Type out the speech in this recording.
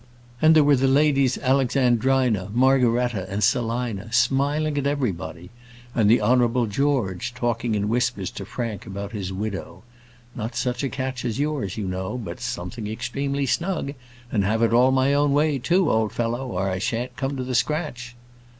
And there were the Ladies Alexandrina, Margaretta, and Selina, smiling at everybody. And the Honourable George, talking in whispers to Frank about his widow "Not such a catch as yours, you know; but something extremely snug; and have it all my own way, too, old fellow, or I shan't come to the scratch."